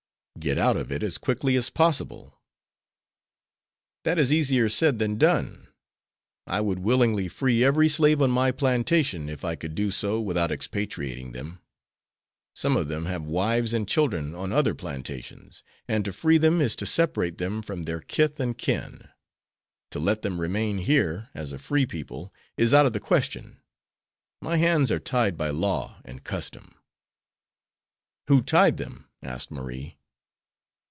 "Get out of it as quickly as possible." "That is easier said than done. I would willingly free every slave on my plantation if I could do so without expatriating them. Some of them have wives and children on other plantations, and to free them is to separate them from their kith and kin. To let them remain here as a free people is out of the question. My hands are tied by law and custom." "Who tied them?" asked Marie.